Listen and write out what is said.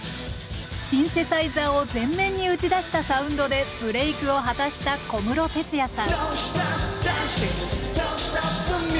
シンセサイザーを前面に打ち出したサウンドでブレークを果たした小室哲哉さん